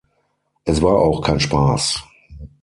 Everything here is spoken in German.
Es war auch kein Spaß.